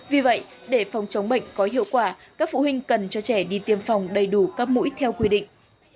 vì vậy để phòng chống bệnh có hiệu quả các phụ huynh cần cho trẻ đi tiêm phòng đầy đủ các mũi theo quy định